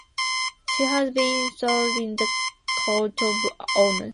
She has been installed in the Court of Honor.